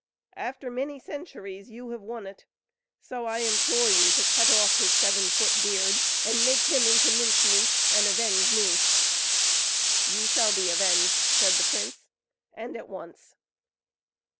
After many centuries you have won it; so I implore you to cut off his seven foot beard, and make him into mince meat; and avenge me." "You shall be avenged," said the prince; "and at once.